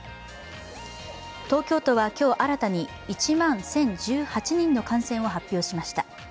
東京都は今日新たに１万１０１８人の感染を発表しました。